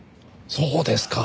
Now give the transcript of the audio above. そうですか！